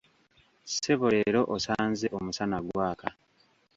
Ssebo leero osanze omusana gwaka.